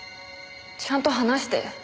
ちゃんと話して。